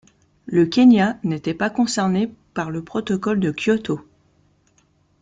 Le Kenya n'était pas concerné par le Protocole de Kyoto.